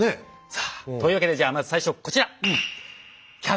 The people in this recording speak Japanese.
さあというわけでじゃあまず最初こちら。